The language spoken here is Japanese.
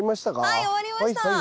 はい終わりました。